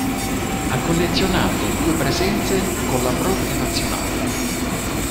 Ha collezionato due presenze con la propria nazionale.